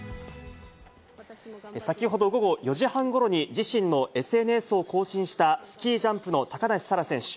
先ほど午後４時半ごろに、自身のＳＮＳを更新したスキージャンプの高梨沙羅選手。